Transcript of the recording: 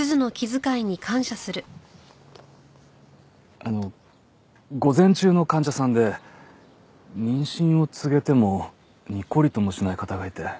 あの午前中の患者さんで妊娠を告げてもニコリともしない方がいて。